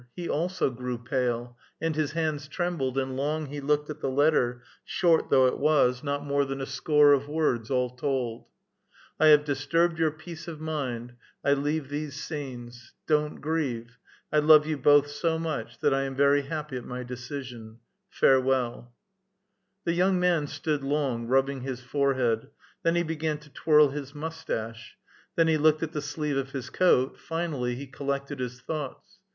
He also grew pale, and his hands trembled, and long he looked at the letter, short though it was, not more than a score of words all told :—" 1 have disturbed your peace of mind. I leave these scenes. Don't grieve ; I love you both so much that I am very happy at my decision. Proshchaite " (Farewell). The young man stood long, rubbing his forehead ; then he began to twirl his mustache ; then he looked at the sleeve of his coat ; finally he collected his thoughts.